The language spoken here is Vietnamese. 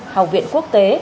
học viện quốc tế